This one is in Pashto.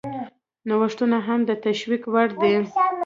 نوښتونه هم د تشویق وړ دي.